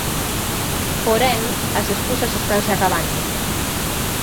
Porén as escusas estanse acabando.